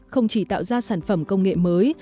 không chỉ tạo ra sản phẩm công nghệ mới